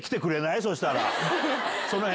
そうしたら。